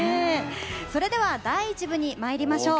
それでは第１部にまいりましょう。